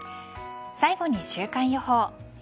最後に週間予報。